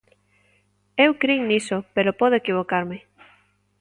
Eu crin niso, pero podo equivocarme.